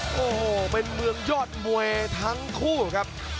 โอ้โหเป็นเมืองยอดมวยทั้งคู่ครับ